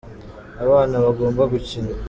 abana bagomba gukina.